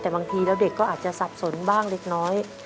แต่บางทีแล้วเด็กก็อาจจะสับสนบ้างเล็กน้อย